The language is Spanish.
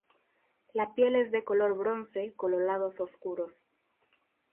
La piel es de color bronce, con los lados oscuros.